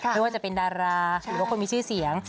ไม่ว่าจะเป็นดาราหรือว่าคนมีชื่อเสียง